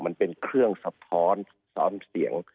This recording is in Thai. มันเป็นเครื่องสะท้อนซ้อนเสียง